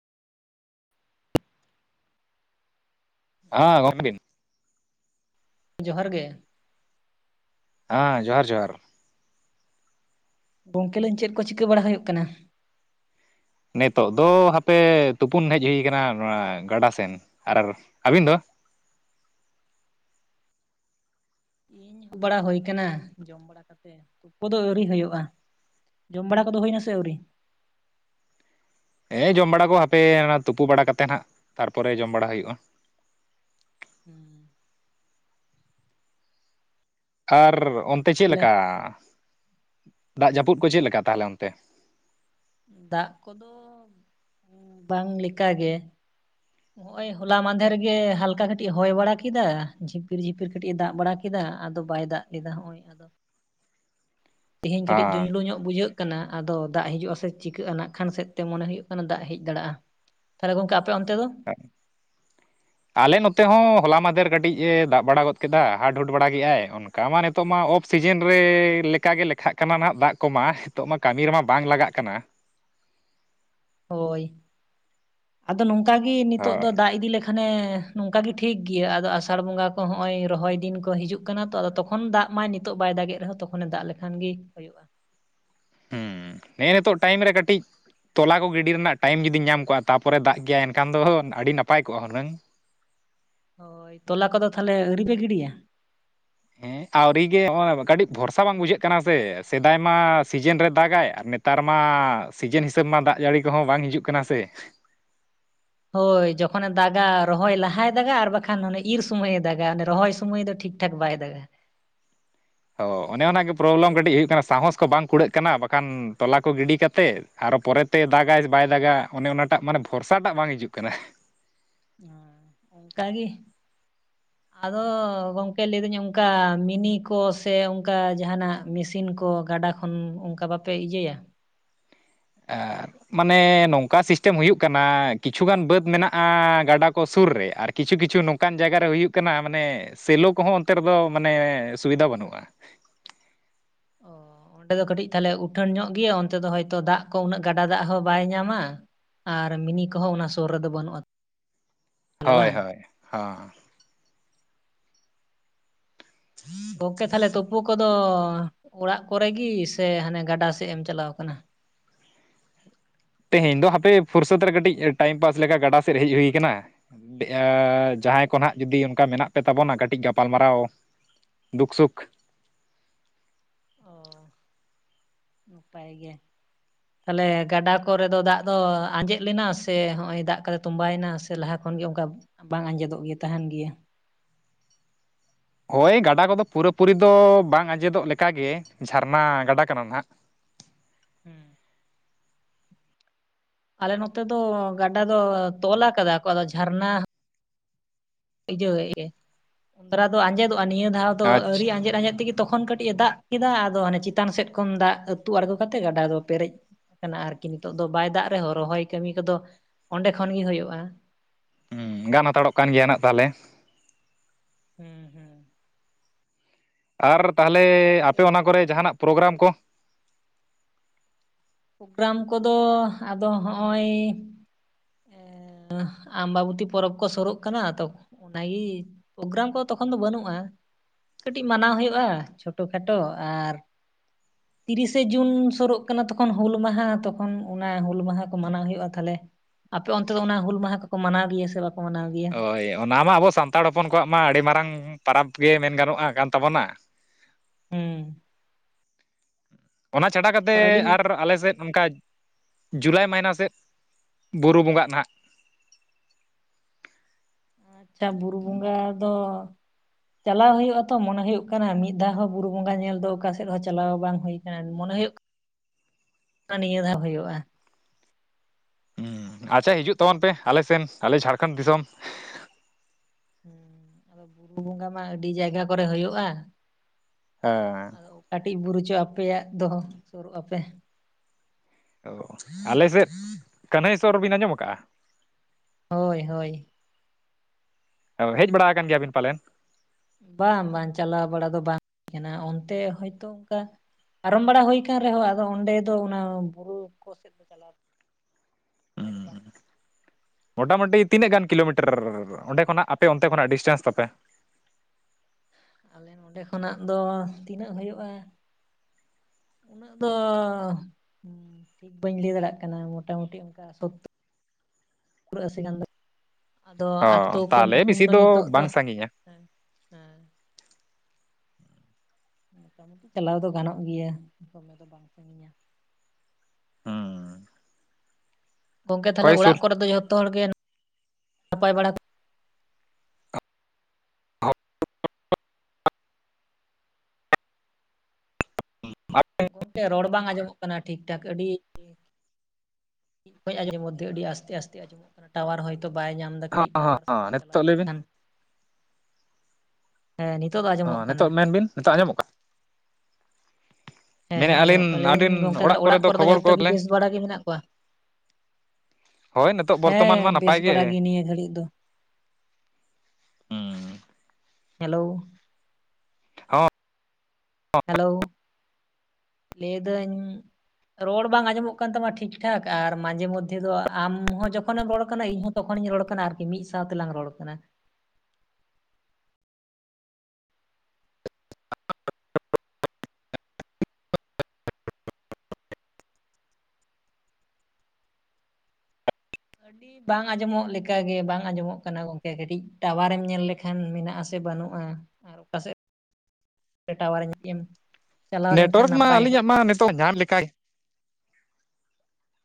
ᱟ ᱜᱚᱢᱠᱮ ᱡᱚᱦᱟᱨ ᱜᱮ ᱟᱸ ᱡᱚᱦᱟᱨ ᱡᱚᱦᱟᱨ ᱜᱚᱝᱠᱮ ᱞᱟᱹᱭᱟᱹᱧ ᱪᱮᱫ ᱠᱚ ᱪᱤᱠᱟᱹ ᱵᱟᱲᱟ ᱦᱩᱭᱩᱜ ᱠᱟᱱᱟ? ᱱᱮᱛᱚᱜ ᱫᱚ ᱦᱟᱯᱮ ᱛᱩᱯᱩᱱ ᱦᱮᱡ ᱦᱩᱭ ᱟᱠᱟᱱᱟ, ᱱᱚᱣᱟ ᱜᱟᱰᱟ ᱥᱮᱱ ᱟᱨ ᱟᱹᱵᱤᱱ ᱫᱚ? ᱩᱢ ᱵᱟᱲᱟ ᱦᱩᱭ ᱟᱠᱟᱱᱟ, ᱡᱚᱢ ᱵᱟᱲᱟ ᱛᱩᱯᱩ ᱫᱚ ᱟᱹᱣᱨᱤ ᱦᱩᱭᱩᱜᱼᱟ, ᱡᱚᱢ ᱵᱟᱲᱟ ᱠᱚ ᱫᱚ ᱦᱩᱭ ᱮᱱᱟ ᱥᱮ ᱟᱹᱣᱨᱤ? ᱦᱮᱸ ᱡᱚᱢ ᱵᱟᱲᱟ ᱠᱚ ᱦᱟᱯᱮ ᱚᱱᱟ ᱛᱩᱯᱩ ᱵᱟᱲᱟ ᱠᱟᱛᱮ, ᱱᱟᱦᱟᱜ ᱛᱟᱨᱯᱚᱨᱮ ᱡᱚᱢ ᱵᱟᱲᱟ ᱦᱩᱭᱩᱜᱼᱟ᱾ [inaudible] ᱟᱨ ᱚᱱᱛᱮ ᱪᱮᱫ ᱵᱚᱞᱮ ᱞᱮᱠᱟ? ᱫᱟᱜ ᱡᱟᱹᱯᱩᱫ ᱠᱚ ᱪᱮᱫ ᱞᱮᱠᱟ ᱛᱟᱦᱚᱞᱮ ᱚᱱᱛᱮ? ᱫᱟᱜ ᱠᱚ ᱫᱚ ᱵᱟᱝ ᱞᱮᱠᱟ ᱜᱮ᱾ ᱱᱚᱜᱼᱚᱭ ᱦᱚᱞᱟ ᱢᱟᱫᱷᱮᱨ ᱜᱮ ᱦᱟᱞᱠᱟ ᱠᱟᱹᱴᱤᱡ ᱦᱚᱭ ᱵᱟᱲᱟ ᱠᱮᱫᱟ, ᱡᱷᱤᱯᱤᱨ ᱡᱷᱤᱯᱤᱨ ᱠᱟᱹᱴᱤᱡ ᱮ ᱫᱟᱜ ᱵᱟᱲᱟ ᱠᱮᱫᱟ, ᱟᱫᱚ ᱵᱟᱭ ᱫᱟᱜ ᱞᱮᱫᱟ ᱦᱚᱸᱜᱼᱚᱭ ᱟᱫᱚ, ᱛᱮᱦᱮᱧ ᱠᱟᱹᱴᱤᱡ ᱦᱮᱸ ᱡᱩᱡᱽᱞᱩ ᱧᱚᱜ ᱵᱩᱡᱷᱟᱹᱜ ᱠᱟᱱᱟ, ᱟᱫᱚ ᱫᱟᱜ ᱦᱤᱡᱩᱜᱼᱟ ᱥᱮ ᱪᱤᱠᱟᱹᱜᱼᱟ ᱱᱟᱜ ᱠᱷᱟᱱ ᱥᱮᱫ ᱛᱮ ᱢᱚᱱᱮ ᱦᱩᱭᱩᱜ ᱠᱟᱱᱟ ᱫᱟᱜ ᱦᱮᱡ ᱫᱟᱲᱮᱭᱟᱜᱼᱟ ᱾ ᱛᱟᱦᱚᱞᱮ ᱜᱚᱝᱠᱮ ᱟᱯᱮ ᱚᱱᱛᱮ ᱫᱚ [inaudible] [inaudible] ᱟᱞᱮ ᱱᱚᱛᱮ ᱦᱚᱸ ᱦᱚᱞᱟ ᱢᱟᱫᱷᱮᱨ ᱠᱟᱹᱴᱤᱡ ᱮ ᱫᱟᱜ ᱵᱟᱲᱟ ᱜᱚᱫ ᱠᱮᱫᱟ, ᱦᱟᱰ-ᱦᱩᱰ ᱵᱟᱲᱟ ᱠᱮᱜᱼᱟᱭ ᱚᱱᱠᱟ ᱢᱟ ᱱᱮᱛ ᱱᱤᱛᱚᱜ ᱢᱟ ᱚᱯᱷ ᱥᱤᱡᱮᱱ ᱨᱮ ᱞᱮᱠᱟ ᱜᱮ ᱞᱮᱠᱷᱟᱜ ᱠᱟᱱᱟ ᱱᱟᱦᱟᱜ ᱫᱟᱜ ᱠᱚᱢᱟ, ᱱᱤᱛᱚᱜ ᱢᱟ ᱠᱟᱹᱢᱤ ᱨᱮ ᱢᱟ ᱵᱟᱝ ᱞᱟᱜᱟᱜ ᱠᱟᱱᱟ᱾ ᱦᱚᱭ ᱟᱫᱚ ᱱᱚᱝᱠᱟ ᱜᱮ ᱱᱤᱛᱚᱜ ᱦᱳᱭ ᱫᱚ ᱫᱟᱜ ᱤᱫᱤ ᱞᱮᱠᱷᱟ ᱠᱷᱟᱱᱮ ᱱᱚᱝᱠᱟ ᱜᱮ ᱴᱷᱤᱠ ᱜᱮᱭᱟ ᱟᱫᱚ ᱟᱥᱟᱲ ᱵᱚᱸᱜᱟ ᱠᱚ ᱱᱚᱜᱼᱚᱭ ᱨᱚᱦᱚᱭ ᱫᱤᱱ ᱠᱚ ᱦᱤᱡᱩᱜ ᱠᱟᱱᱟ ᱛᱚ᱾ ᱛᱚᱠᱷᱚᱱ ᱫᱟᱜ ᱢᱟᱭ ᱱᱤᱛᱚᱜ ᱵᱟᱭ ᱫᱟᱜᱮᱜ ᱨᱮ ᱦᱚᱸ ᱛᱚᱠᱷᱚᱱᱮ ᱫᱟᱜ ᱞᱮᱠᱷᱟᱱ ᱜᱮ ᱦᱩᱭᱩᱜᱼᱟ᱾ ᱦᱩᱸ ᱦᱮᱸ ᱱᱤᱛᱚᱜ ᱴᱟᱭᱤᱢ ᱨᱮ ᱠᱟᱹᱴᱤᱡ ᱛᱚᱞᱟ ᱠᱚ ᱜᱤᱰᱤ ᱨᱮᱱᱟᱜ ᱴᱟᱭᱤᱢ ᱡᱩᱫᱤ ᱧᱟᱢ ᱠᱚᱜᱼᱟ ᱛᱟᱯᱚᱨᱮ ᱫᱟᱜ ᱠᱮᱭᱟᱭ, ᱮᱱᱠᱷᱟᱱ ᱫᱚ ᱟᱹᱰᱤ ᱱᱟᱯᱟᱭ ᱠᱚᱜᱼᱟ ᱦᱩᱱᱟᱹᱝ᱾ ᱦᱚᱭ ᱛᱚᱞᱟ ᱠᱚ ᱫᱚ ᱛᱟᱦᱚᱞᱮ ᱟᱹᱣᱨᱤ ᱯᱮ ᱜᱤᱰᱤᱭᱟ? ᱦᱮᱸ ᱟᱹᱣᱨᱤ ᱜᱮ ᱠᱟᱹᱴᱤᱡ ᱵᱷᱚᱨᱥᱟ ᱵᱟᱝ ᱵᱩᱡᱷᱟᱹᱜ ᱠᱟᱱᱟ ᱥᱮ ᱥᱮᱫᱟᱭ ᱢᱟ ᱥᱤᱡᱮᱱ ᱨᱮ ᱫᱟᱜᱟᱭ ᱟᱨ ᱱᱮᱛ ᱱᱮᱛᱟᱨ ᱢᱟ ᱥᱤᱡᱮᱱ ᱦᱤᱥᱟᱹᱵᱽ ᱢᱟ ᱫᱟᱜ ᱡᱟᱹᱲᱤ ᱠᱚ ᱦᱚᱸ ᱵᱟᱝ ᱦᱤᱡᱩᱜ ᱠᱟᱱᱟ ᱥᱮ ᱦᱚᱭ ᱡᱚᱠᱷᱚᱱᱮ ᱫᱟᱜᱟ ᱨᱚᱦᱚᱭ ᱞᱟᱦᱟᱭ ᱫᱟᱜᱟ ᱟᱨ ᱵᱟᱠᱷᱟᱱ ᱤᱨ ᱥᱚᱢᱚᱭᱮ ᱫᱟᱜᱟ ᱨᱚᱦᱚᱭ ᱥᱚᱢᱚᱭ ᱫᱚ ᱴᱷᱤᱠ ᱴᱷᱟᱠ ᱵᱟᱭ ᱫᱟᱜᱟ᱾ ᱦᱚ ᱚᱱᱮ ᱚᱱᱟ ᱜᱮ ᱯᱨᱚᱵᱞᱮᱢ ᱠᱟᱹᱴᱤᱡ ᱦᱩᱭᱩᱜ ᱠᱟᱱᱟ ᱥᱟᱸᱦᱚᱥ ᱠᱚ ᱵᱟᱝ ᱠᱩᱲᱟᱹᱜ ᱠᱟᱱᱟ, ᱵᱟᱠᱷᱟᱱ ᱛᱚᱞᱟ ᱠᱚ ᱜᱤᱰᱤ ᱠᱟᱛᱮᱫ ᱟᱨᱚ ᱯᱚᱨᱮᱛᱮ ᱫᱟᱜᱟᱭ ᱥᱮ ᱵᱟᱭ ᱫᱟᱜᱟ ᱚᱱᱮ ᱚᱱᱟᱴᱟᱜ ᱢᱟᱱᱮ ᱵᱷᱚᱨᱥᱟᱴᱟᱜ ᱵᱟᱝ ᱦᱤᱡᱩᱜ ᱠᱟᱱᱟ᱾ ᱚᱱᱠᱟᱜᱮ ᱟᱫᱚ ᱜᱚᱝᱠᱮ ᱞᱟᱹᱭᱫᱟᱹᱧ ᱚᱱᱠᱟ ᱢᱤᱱᱤ ᱠᱚ ᱥᱮ ᱚᱱᱠᱟ ᱡᱟᱦᱱᱟᱜ ᱢᱮᱥᱤᱱ ᱠᱚ ᱜᱟᱰᱟ ᱠᱚ ᱠᱷᱚᱱ ᱚᱱᱠᱟ ᱵᱟᱯᱮ ᱤᱭᱟᱹᱭᱟ᱾ ᱟᱨ ᱢᱟᱱᱮ ᱱᱚᱝᱠᱟ ᱥᱤᱥᱴᱮᱢ ᱦᱩᱭᱩᱜ ᱠᱟᱱᱟ, ᱠᱤᱪᱷᱩᱜᱟᱱ ᱵᱟᱹᱫᱽ ᱢᱮᱱᱟᱜᱼᱟ ᱜᱟᱰᱟ ᱠᱚ ᱥᱩᱨ ᱨᱮ ᱟᱨ ᱠᱤᱪᱷᱩ ᱠᱤᱪᱷᱩ ᱱᱚᱝᱠᱟᱱ ᱡᱟᱭᱜᱟᱨᱮ ᱦᱩᱭᱩᱜ ᱠᱟᱱᱟ ᱢᱟᱱᱮ ᱥᱮᱞᱳ ᱠᱚᱦᱚᱸ ᱚᱱᱛᱮ ᱨᱮᱫᱚ ᱢᱟᱱᱮ ᱥᱩᱵᱤᱫᱷᱟ ᱵᱟᱹᱱᱩᱜᱼᱟ᱾ ᱚ ᱚᱸᱰᱮ ᱫᱚ ᱠᱟᱹᱴᱤᱡ ᱛᱟᱦᱚᱞᱮ ᱩᱴᱷᱟᱹᱱ ᱧᱚᱜ ᱜᱮᱭᱟ ᱚᱱᱛᱮ ᱫᱚ ᱦᱚᱭ ᱛᱚ ᱫᱟᱜ ᱠᱚ ᱩᱱᱟᱹᱜ ᱜᱟᱰᱟ ᱫᱟᱜ ᱦᱚᱸ ᱵᱟᱭ ᱧᱟᱢᱟ ᱟᱨ ᱢᱤᱱᱤ ᱠᱚᱦᱚᱸ ᱚᱱᱟ ᱥᱳᱨ ᱨᱮᱫᱚ ᱵᱟᱹᱱᱩᱜᱼᱟ ᱛᱟᱦᱚᱞᱮ ᱦᱳᱭ ᱵᱟᱝ ᱦᱳᱭ ᱦᱚᱸ ᱜᱚᱝᱠᱮ ᱛᱟᱦᱚᱞᱮ ᱛᱳᱯᱳ ᱠᱚᱫᱚ ᱚᱲᱟᱜ ᱠᱚᱨᱮ ᱜᱤ ᱥᱮ ᱦᱟᱱᱮ ᱜᱟᱰᱟ ᱥᱮᱫ ᱮᱢ ᱪᱟᱞᱟᱣ ᱠᱟᱱᱟ ᱛᱮᱦᱮᱧ ᱫᱚ ᱦᱟᱯᱮ ᱯᱷᱩᱨᱥᱚᱛ ᱨᱮ ᱠᱟᱹᱴᱤᱡ ᱴᱟᱭᱤᱢ ᱯᱟᱥ ᱞᱮᱠᱟ ᱜᱟᱰᱟ ᱥᱮᱫ ᱦᱮᱡ ᱦᱩᱭᱩ ᱠᱟᱱᱟ ᱡᱟᱦᱟᱸᱭ ᱠᱚ ᱱᱟᱸᱜ ᱡᱩᱫᱤ ᱚᱱᱠᱟ ᱢᱮᱱᱟᱜ ᱯᱮ ᱛᱟᱵᱚᱱᱟ ᱠᱟᱹᱴᱤᱡ ᱜᱟᱯᱟᱞ ᱢᱟᱨᱟᱣ ᱫᱩᱠᱷ ᱥᱩᱠᱷ ᱚ ᱱᱟᱯᱟᱭ ᱜᱮ ᱛᱟᱦᱞᱮ ᱜᱟᱰᱟ ᱠᱚᱨᱮ ᱫᱚ ᱫᱟᱜ ᱫᱚ ᱟᱸᱡᱮᱫ ᱞᱮᱱᱟ ᱥᱮ ᱦᱚᱸᱜ ᱚᱭ ᱫᱟᱜ ᱠᱟᱫᱟ ᱛᱚᱢᱵᱟᱭᱮᱱᱟ ᱥᱮ ᱞᱟᱦᱟ ᱠᱷᱚᱱ ᱜᱮ ᱚᱝᱠᱟ ᱵᱟᱝ ᱟᱸᱡᱮᱫᱚᱜ ᱜᱮᱭᱟ ᱛᱟᱦᱮᱱ ᱜᱮᱭᱟ ᱦᱳᱭ ᱜᱟᱰᱟ ᱠᱚᱫᱚ ᱯᱩᱨᱟᱹᱯᱩᱨᱤ ᱫᱚ ᱵᱟᱝ ᱟᱸᱡᱮᱫᱚᱜ ᱞᱮᱠᱟᱜᱮ ᱡᱷᱟᱨᱱᱟ ᱜᱟᱰᱟ ᱠᱟᱱᱟ ᱱᱟᱸᱦᱟᱜ ᱦᱩᱸ ᱟᱞᱮ ᱱᱚᱛᱮ ᱫᱚ ᱜᱟᱰᱟ ᱫᱚ ᱛᱚᱞ ᱟᱠᱟᱫᱟ ᱠᱚ ᱟᱫᱚ ᱡᱷᱟᱨᱱᱟ ᱤᱡᱟᱹ ᱩᱱᱫᱟᱨᱟ ᱫᱚ ᱟᱸᱡᱮᱫᱚᱜᱼᱟ ᱱᱤᱭᱟᱹ ᱫᱷᱟᱣ ᱫᱚ ᱟᱪᱪᱷᱟ ᱟᱹᱣᱨᱤ ᱟᱸᱡᱮᱫ ᱟᱸᱡᱮᱫ ᱛᱮᱜᱮ ᱛᱚᱠᱷᱚᱱ ᱠᱟᱹᱴᱤᱡ ᱮ ᱫᱟᱜ ᱠᱮᱫᱟ ᱟᱫᱚ ᱦᱟᱱᱮ ᱪᱮᱛᱟᱱ ᱥᱮᱫ ᱠᱷᱚᱱ ᱫᱟᱜ ᱟᱹᱛᱩ ᱟᱬᱜᱚ ᱠᱟᱛᱮᱜ ᱜᱟᱰᱟ ᱫᱚ ᱯᱮᱨᱮᱡ ᱠᱟᱱᱟ ᱟᱨᱠᱤ ᱱᱤᱛᱚᱜ ᱫᱚ ᱵᱟᱭ ᱫᱟᱜ ᱨᱮᱦᱚᱸ ᱨᱚᱦᱚᱭ ᱠᱟᱹᱢᱤ ᱠᱚᱫᱚ ᱚᱸᱰᱮ ᱠᱷᱚᱱ ᱜᱮ ᱦᱩᱭᱩᱜᱼᱟ ᱦᱩᱸ ᱜᱟᱱ ᱦᱟᱛᱟᱲᱚᱜ ᱠᱟᱱ ᱜᱮᱭᱟ ᱱᱟᱜ ᱛᱟᱦᱚᱞᱮ ᱦᱩᱸ ᱦᱩᱸ ᱟᱨ ᱛᱟᱦᱚᱞᱮ ᱜᱚᱝᱠᱮ ᱟᱯᱮ ᱚᱱᱟ ᱠᱚᱨᱮ ᱡᱟᱦᱟᱱᱟᱜ ᱯᱨᱳᱜᱽᱨᱟᱢ ᱠᱚ ᱯᱳᱜᱽᱨᱟᱢ ᱠᱚᱫᱚ ᱟᱫᱚ ᱦᱚᱜᱼᱚᱭ ᱟᱢᱵᱟᱵᱚᱛᱤ ᱯᱚᱨᱚᱵᱽ ᱠᱚ ᱥᱳᱨᱳᱜ ᱠᱟᱱᱟ ᱛᱚ ᱚᱱᱟᱜᱤ ᱯᱳᱜᱽᱨᱟᱢ ᱠᱚ ᱛᱚᱠᱷᱚᱱ ᱫᱚ ᱵᱟᱹᱱᱩᱜᱼᱟ ᱠᱟᱹᱴᱤᱡ ᱢᱟᱱᱟᱣ ᱦᱩᱭᱩᱜᱼᱟ ᱪᱷᱳᱴᱚ ᱠᱷᱟᱴᱚ ᱟᱨ ᱛᱤᱨᱤᱥᱮ ᱡᱩᱱ ᱥᱩᱨᱩᱜ ᱠᱟᱱᱟ ᱛᱚ ᱠᱷᱚᱱ ᱦᱩᱞ ᱢᱟᱦᱟ ᱛᱚᱠᱷᱚᱱ ᱚᱱᱟ ᱦᱩᱞ ᱢᱟᱦᱟ ᱠᱚ ᱢᱟᱱᱟᱣ ᱦᱩᱭᱩᱜᱼᱟ ᱛᱟᱦᱚᱞᱮ ᱟᱯᱮ ᱚᱱᱛᱮ ᱫᱚ ᱚᱱᱟ ᱦᱩᱞ ᱢᱟᱦᱟ ᱠᱚᱠᱚ ᱢᱟᱱᱟᱣ ᱜᱮᱭᱟ ᱥᱮ ᱵᱟᱝ? ᱦᱳᱭ ᱚᱱᱟᱢᱟ ᱟᱵᱚ ᱥᱟᱱᱛᱟᱲ ᱦᱚᱯᱚᱱ ᱠᱚᱣᱟᱜ ᱢᱟ ᱟᱹᱰᱤ ᱢᱟᱨᱟᱝ ᱯᱟᱨᱟᱵᱽ ᱜᱮ ᱢᱮᱱ ᱜᱟᱱᱚᱜ-ᱟ ᱠᱟᱱ ᱛᱟᱵᱚᱱᱟ ᱦᱩᱸ ᱚᱱᱟ ᱪᱷᱟᱰᱟ ᱠᱟᱛᱮ ᱟᱹᱰᱤ ᱟᱨ ᱟᱞᱮ ᱥᱮᱫ ᱚᱱᱠᱟ ᱡᱩᱞᱟᱭ ᱢᱟᱭᱱᱟ ᱥᱮᱫ ᱵᱩᱨᱩ ᱵᱚᱸᱜᱟᱜ ᱱᱟᱦᱟᱜ ᱟᱪᱪᱷᱟ ᱵᱩᱨᱩ ᱵᱚᱸᱜᱟ ᱫᱚ ᱪᱟᱞᱟᱣ ᱦᱩᱭᱩᱜᱼᱟ ᱛᱚ ᱢᱚᱱᱮ ᱦᱩᱭᱩᱜ ᱠᱟᱱᱟ ᱢᱤᱫ ᱫᱷᱟᱣ ᱦᱚᱸ ᱵᱩᱨᱩ ᱵᱚᱸᱜᱟ ᱧᱮᱞ ᱫᱚ ᱚᱠᱟᱥᱮᱫ ᱦᱚᱸ ᱪᱟᱞᱟᱣ ᱵᱟᱝ ᱦᱩᱭ ᱠᱟᱱᱟ ᱢᱚᱱᱮ ᱦᱩᱭᱩᱜ ᱠᱟᱱᱟ ᱱᱤᱭᱟᱹ ᱫᱷᱟᱣ ᱦᱩᱭᱩᱜᱼᱟ ᱟᱪᱪᱷᱟ ᱦᱤᱡᱩᱜ ᱛᱟᱵᱚᱱ ᱯᱮ ᱟᱞᱮ ᱥᱮᱱ ᱟᱞᱮ ᱡᱷᱟᱲᱠᱷᱚᱸᱰ ᱫᱤᱥᱚᱢ ᱡᱩᱸ ᱟᱫᱚ ᱵᱩᱨᱩ ᱵᱚᱸᱜᱟ ᱢᱟ ᱟᱹᱰᱤ ᱡᱟᱭᱜᱟ ᱠᱚᱨᱮ ᱦᱳᱭᱳᱜᱼᱟ ᱦᱮᱸ ᱠᱟᱹᱴᱤᱡ ᱵᱩᱨᱩᱪᱚ ᱟᱯᱮᱭᱟᱜ ᱫᱚᱦᱚ ᱥᱳᱨᱳᱜ ᱟᱯᱮ ᱚ ᱟᱞᱮ ᱥᱮᱫ ᱠᱟᱹᱱᱦᱟᱹᱭ ᱥᱚᱦᱚᱨ ᱵᱤᱱ ᱟᱸᱡᱚᱢ ᱠᱟᱜᱼᱟ ᱦᱳᱭ ᱦᱳᱭ ᱦᱮᱡ ᱵᱟᱲᱟ ᱦᱟᱠᱟᱱ ᱜᱮᱭᱟᱵᱤᱱ ᱯᱟᱞᱮᱱ ᱵᱟᱝ ᱵᱟᱝ ᱪᱟᱞᱟᱣ ᱵᱟᱲᱟ ᱫᱚ ᱵᱟᱝ ᱠᱟᱱᱟ ᱚᱱᱛᱮ ᱦᱚᱭᱛᱚ ᱚᱱᱠᱟ ᱯᱟᱨᱚᱢ ᱵᱟᱲᱟ ᱦᱩᱭ ᱠᱟᱱ ᱨᱮᱦᱚᱸ ᱟᱫᱚ ᱚᱸᱰᱮ ᱫᱚ ᱚᱱᱟ ᱵᱩᱨᱩ ᱠᱚ ᱥᱮᱫ ᱫᱚ ᱪᱟᱞᱟᱣ [unintelligible] ᱢᱚᱴᱟᱢ ᱢᱩᱴᱤ ᱛᱤᱱᱟᱹᱜ ᱜᱟᱱ ᱠᱤᱞᱚ ᱢᱤᱴᱟᱨ ᱚᱸᱰᱮ ᱠᱷᱚᱱᱟᱜ ᱟᱯᱮ ᱚᱱᱛᱮ ᱠᱷᱚᱱᱟᱜ ᱰᱤᱥᱴᱮᱱᱥ ᱛᱟᱯᱮ ᱟᱞᱮ ᱱᱚᱸᱰᱮ ᱠᱷᱚᱱᱟᱜ ᱫᱚ ᱛᱤᱱᱟᱹᱜ ᱦᱩᱭᱩᱜᱼᱟ [unintelligible] ᱴᱷᱤᱠ ᱵᱟᱹᱧ ᱞᱟᱹᱭ ᱫᱟᱲᱮᱭᱟᱜ ᱠᱟᱱᱟ ᱢᱚᱴᱟᱢᱩᱴᱤ ᱚᱱᱠᱟ ᱥᱚ ᱚ [unintelligible] ᱟᱛᱩ ᱠᱚ ᱛᱟᱦᱚᱞᱮ ᱧᱩᱛᱩᱢ ᱵᱮᱥᱤ ᱫᱚ ᱱᱤᱛᱚᱜ ᱫᱚ ᱵᱟᱝ ᱥᱟᱺᱜᱤᱧᱟ ᱦᱮᱸ ᱦᱮᱸ ᱪᱟᱞᱟᱣ ᱫᱚ ᱜᱟᱱᱚᱜ ᱜᱮᱭᱟ ᱦᱩᱸ ᱜᱚᱝᱠᱮ ᱛᱟᱦᱚᱞᱮ ᱦᱳᱭ ᱥᱩᱨ ᱚᱲᱟᱜ ᱠᱚᱨᱮ ᱫᱚ, ᱡᱚᱛᱚ ᱦᱚᱲᱜᱮ ᱱᱟᱯᱟᱭ ᱵᱟᱲᱟ ᱦᱚᱸ ᱜᱚᱢᱠᱮ ᱨᱚᱲ ᱵᱟᱝ ᱟᱸᱡᱚᱢᱚᱜ ᱠᱟᱱᱟ ᱴᱷᱤᱠ ᱴᱷᱟᱠ ᱟᱹᱰᱤ. ᱵᱟ. ᱧ ᱜᱚᱫ-ᱮᱜᱟ ᱟ. ᱰᱤ ᱟᱥᱛᱮ ᱟᱥᱛᱮ ᱟᱡᱚᱢᱚᱜ ᱠᱟᱱᱟ ᱴᱟᱣᱟᱨ ᱦᱚᱭᱛᱚ ᱵᱟᱭ ᱧᱟᱢ ᱮᱫᱟ᱾ ᱠᱟᱹᱴᱤᱡᱽ ᱦᱚᱸ ᱴᱟᱣᱟᱨ ᱥᱮᱫ ᱮᱢ ᱦᱚᱸ ᱪᱟᱞᱟᱣ ᱱᱤᱛᱚᱜ ᱞᱟᱹᱭ ᱵᱤᱱ ᱞᱮᱱᱠᱷᱟᱱ [unintelligible] ᱦᱮᱸ ᱱᱤᱛᱚᱜ ᱫᱚ ᱟᱸᱡ ᱦᱚᱸ ᱱᱤᱛᱚᱜ ᱢᱮᱱ ᱵᱤᱱ ᱱᱤᱛᱚᱜ ᱟᱸᱡᱚᱢᱚᱜ ᱠᱟᱱᱟ᱾ ᱦᱮᱸ ᱢᱮᱱᱮᱜ ᱦᱮᱸ ᱟᱹᱞᱤᱧ ᱟᱸᱡᱚᱢᱚᱜ ᱠᱟᱱᱟ ᱞᱟᱹᱭᱫᱟᱹᱧ ᱟᱹᱵᱤᱱ ᱜᱚᱝᱠᱮ ᱚᱲᱟᱜ ᱛᱟᱦᱚᱞᱮ ᱠᱚᱨᱮ ᱫᱚ ᱠᱷᱚᱵᱚᱨ ᱠᱚ ᱡᱷᱚᱛᱚ ᱜᱮ ᱵᱮᱥ ᱵᱟᱲᱟ ᱜᱮ ᱢᱮᱱᱟᱜ ᱠᱚᱣᱟ? [unintelligible] ᱦᱚᱭ ᱱᱤᱛᱚᱜ ᱵᱚᱨᱛᱚᱢᱟᱱ ᱢᱟ ᱦᱮᱸ ᱱᱟᱯᱟᱭ ᱵᱮᱥ ᱜᱮ᱾ ᱵᱟᱲᱟ ᱱᱤᱭᱟᱹ ᱜᱷᱟᱹᱲᱤᱡ ᱫᱚ᱾ ᱦᱩᱸ ᱦᱮᱞᱳ ᱦᱚᱸ ᱦᱮᱞᱳ ᱞᱟᱹᱭᱫᱟᱹᱧ ᱨᱚᱲ ᱵᱟᱝ ᱟᱸᱡᱚᱢᱚᱜ ᱠᱟᱱ ᱛᱟᱢᱟ ᱴᱷᱤᱠᱴᱷᱟᱠ ᱟᱨ ᱢᱟᱡᱷᱮ ᱢᱚᱫᱷᱮ ᱫᱚ ᱟᱢ ᱦᱚᱸ ᱡᱚᱠᱷᱚᱱᱮᱢ ᱨᱚᱲ ᱠᱟᱱᱟ ᱤᱧ ᱦᱚᱸ ᱛᱚᱠᱷᱚ ᱱᱤᱧ ᱨᱚᱲ ᱠᱟᱱᱟ ᱟᱨᱠᱤ ᱢᱤᱫ ᱥᱟᱶ ᱛᱮ ᱞᱟᱝ ᱨᱚᱲ ᱠᱟᱱᱟ᱾ ᱟᱹᱰᱤᱢ ᱵᱟᱝ ᱟᱸᱡᱚᱢᱚᱜ ᱞᱮᱠᱟ ᱜᱮ ᱵᱟᱝ ᱟᱸᱡᱚᱢᱚᱜ ᱠᱟᱱᱟ ᱜᱚᱝᱠᱮ ᱠᱟᱹᱴᱤᱡ ᱴᱟᱣᱟᱨ ᱮᱢ ᱧᱮᱞ ᱞᱮᱠᱷᱟᱱ ᱢᱮᱱᱟᱜᱟ ᱟᱥᱮ ᱵᱟᱹᱱᱩᱜᱼᱟ᱾ ᱚᱠᱟ ᱥᱮᱫ ᱴᱟᱣᱟᱨ [unintelligible] ᱞᱮᱱᱠᱷᱟᱱ ᱱᱮᱴᱚᱣᱟᱨᱠ ᱢᱟ ᱱᱟᱯᱟᱭ ᱠᱚᱜᱼᱟ᱾ ᱟᱹᱞᱤᱧᱟᱜ ᱢᱟ ᱱᱤᱛᱚᱜ ᱧᱟᱢ ᱞᱮᱠᱟᱭ